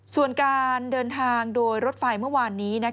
ส่วนการเดินทางโดยรถไฟเมื่อวานนี้